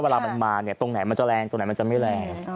เวลามันมาเนี่ยตรงไหนมันจะแรงตรงไหนมันจะไม่แรง